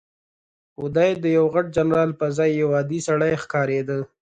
خو دی د یوه غټ جنرال پر ځای یو عادي سړی ښکارېده.